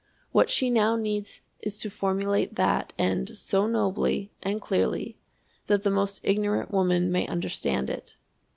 What she now needs is to formulate that end so nobly and clearly that the most ignorant woman may understand it.